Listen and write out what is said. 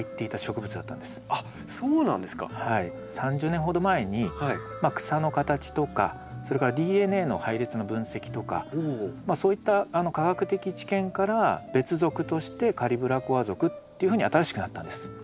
３０年ほど前に草の形とかそれからＤＮＡの配列の分析とかそういった科学的知見から別属としてカリブラコア属っていうふうに新しくなったんです。